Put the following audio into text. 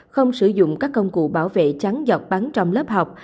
không sử dụng các công cụ bảo vệ trắng giọt bắn trong lớp học